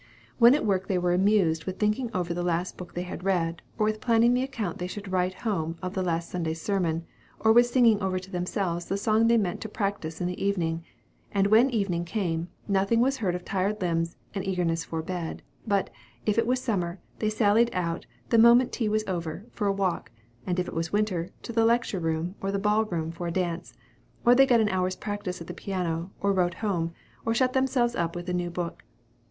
When at work they were amused with thinking over the last book they had read, or with planning the account they should write home of the last Sunday's sermon, or with singing over to themselves the song they meant to practise in the evening; and when evening came, nothing was heard of tired limbs and eagerness for bed, but, if it was summer, they sallied out, the moment tea was over, for a walk, and if it was winter, to the lecture room or to the ball room for a dance, or they got an hour's practice at the piano, or wrote home, or shut themselves up with a new book.